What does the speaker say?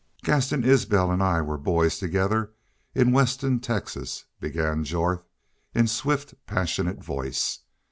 "Gaston Isbel an' I were boys together in Weston, Texas," began Jorth, in swift, passionate voice.